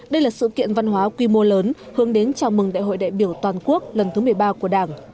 đây là sự kiện văn hóa quy mô lớn hướng đến chào mừng đại hội đại biểu toàn quốc lần thứ một mươi ba của đảng